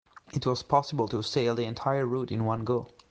It was possible to sail the entire route in one go.